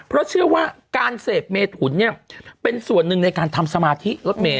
เพราะเชื่อว่าการเสพเมถุนเนี่ยเป็นส่วนหนึ่งในการทำสมาธิรถเมย